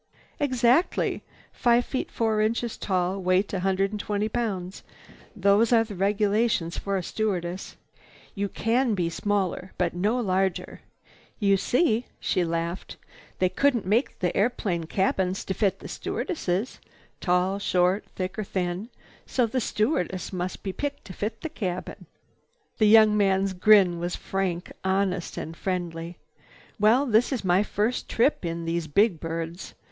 "Exactly. Five feet four inches tall, weight a hundred and twenty pounds. Those are the regulations for a stewardess. You can be smaller, but no larger. You see," she laughed, "they couldn't make the airplane cabins to fit the stewardesses, tall, short, thin or thick, so the stewardess must be picked to fit the cabin." "Oh!" The young man's grin was frank, honest and friendly. "Well, this is my first trip in these big birds.